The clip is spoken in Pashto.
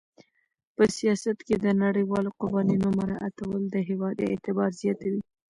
په سیاست کې د نړیوالو قوانینو مراعاتول د هېواد اعتبار زیاتوي.